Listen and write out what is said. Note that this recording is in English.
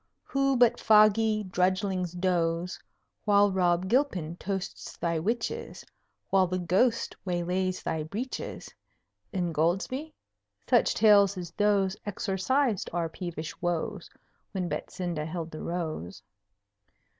Who but foggy drudglings doze While Rob Gilpin toasts thy witches, While the Ghost waylays thy breeches, Ingoldsby? Such tales as those Exorcised our peevish woes When Betsinda held the Rose.